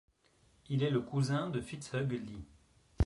Il est le cousin de Fitzhugh Lee.